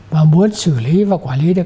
và muốn xử lý và quản lý được